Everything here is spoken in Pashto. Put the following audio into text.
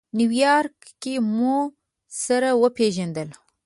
نیویارک کې مو سره وپېژندل.